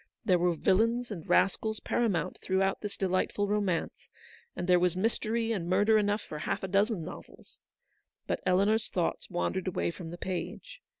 There were villains and rascals paramount throughout this delightful romance; and there was mystery and murder enough for half a dozen novels. But Eleanor's thoughts wandered away from the page.